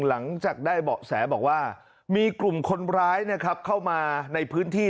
หลังจากได้เบาะแสบอกว่ามีกลุ่มคนร้ายนะครับเข้ามาในพื้นที่